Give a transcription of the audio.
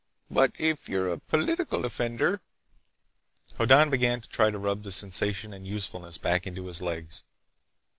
But if you're a political offender—" Hoddan began to try to rub sensation and usefulness back into his legs.